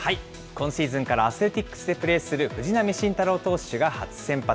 今シーズンからアスレティックスでプレーする藤浪晋太郎投手が初先発。